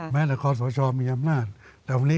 มันก็จะมีผลได้